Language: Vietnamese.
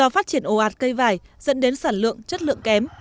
phát triển ồ ạt cây vải dẫn đến sản lượng chất lượng kém